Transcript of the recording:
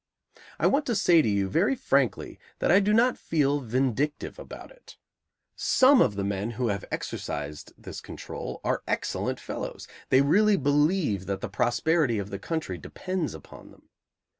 I want to say to you very frankly that I do not feel vindictive about it. Some of the men who have exercised this control are excellent fellows; they really believe that the prosperity of the country depends upon them.